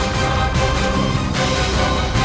set seluruh dunia